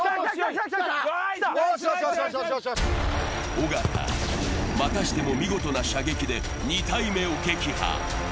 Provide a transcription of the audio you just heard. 尾形、またしても見事な射撃で２体目を撃破。